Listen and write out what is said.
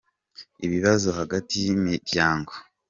Ibibazo hagati y’imiryango.